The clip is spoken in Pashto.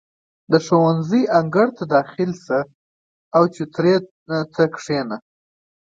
• د ښوونځي انګړ ته داخل شه، او چوترې ته کښېنه.